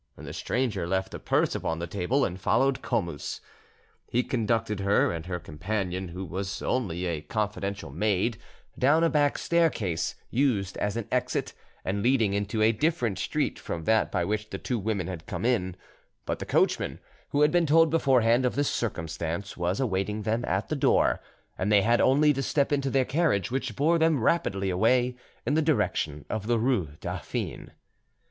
The stranger left a purse upon the table, and followed Comus. He conducted her and her companion, who was only a confidential maid, down a back staircase, used as an exit, and leading into a different street from that by which the two women had come in; but the coachman, who had been told beforehand of this circumstance, was awaiting them at the door, and they had only to step into their carriage, which bore them rapidly away in the direction of the rue Dauphine.